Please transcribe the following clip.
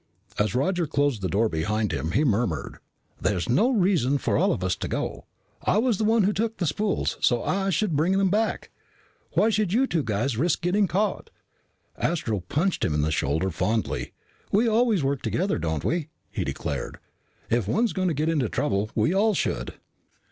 As Roger closed the door behind him, he murmured, "There's no reason for all of us to go. I was the one who took the spools, so I should bring them back. Why should you two guys risk getting caught?" Astro punched him in the shoulder fondly. "We always work together, don't we?" he declared. "If one's gonna get into trouble, we all should."